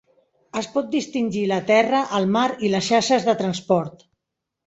Es pot distingir la terra, el mar i les xarxes de transport.